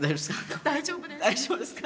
大丈夫ですか？